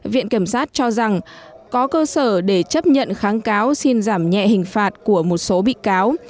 viện kiểm sát cho rằng có cơ sở để chấp nhận kháng cáo xin giảm nhẹ hình phạt của một số bị cáo